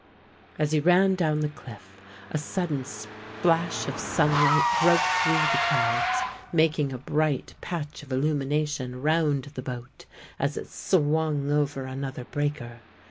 As he ran down the cliff, a sudden splash of sunlight broke through the clouds, making a bright patch of illumination round the boat as it swung over another breaker.